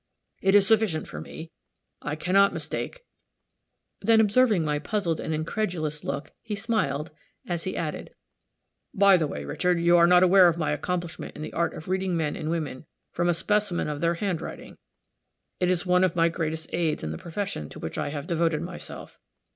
It is sufficient for me; I can not mistake," then, observing my puzzled and incredulous look, he smiled, as he added, "By the way, Richard, you are not aware of my accomplishment in the art of reading men and women from a specimen of their handwriting. It is one of my greatest aids in the profession to which I have devoted myself.